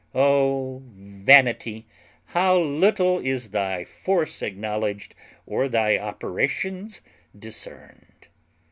O Vanity! how little is thy force acknowledged, or thy operations discerned!